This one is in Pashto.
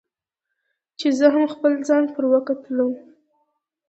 چې زه هم خپل ځان پر وکتلوم.